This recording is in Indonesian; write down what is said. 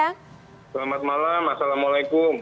selamat malam assalamualaikum